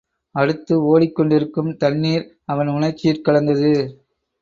அடுத்து, ஒடிக் கொண்டிருக்கும் தண்ணிர் அவன் உணர்ச்சியிற் கலந்தது.